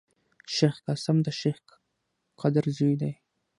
شېخ قاسم دشېخ قدر زوی دﺉ.